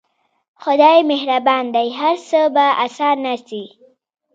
خداى مهربان دى هر څه به اسانه سي.